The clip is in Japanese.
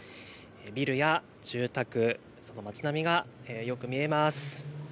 ビルや住宅、その町並みがよく見えます。